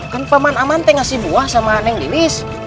kan paman aman teng ngasih buah sama neng lilis